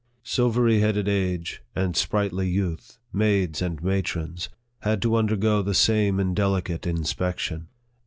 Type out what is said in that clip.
Silvery headed age and sprightly youth, maids and matrons, had to undergo the same indelicate inspection.